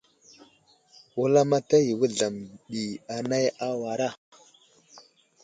Wulamataya i Wuzlam ɗi anay awara.